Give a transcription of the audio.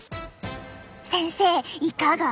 先生いかが？